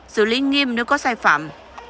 xử lý nghiêm nếu có sai phạm